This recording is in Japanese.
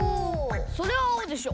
それはあおでしょ。